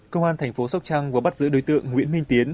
cơ quan thành phố sóc trăng có bắt giữ đối tượng nguyễn minh tiến